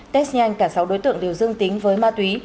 test nhanh cả sáu đối tượng đều dương tính với ma túy